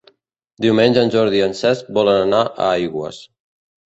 Diumenge en Jordi i en Cesc volen anar a Aigües.